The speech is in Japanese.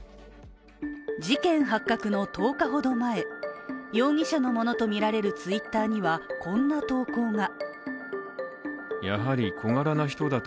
事件発覚の１０日ほど前、容疑者のものとみられるＴｗｉｔｔｅｒにはこんな投稿が。